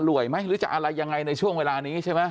อร่อยไหมหรือจะอร่อยอย่างไรในช่วงเวลานี้ใช่ไหม